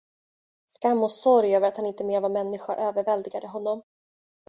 Skam och sorg över att han inte mer var människa överväldigade honom.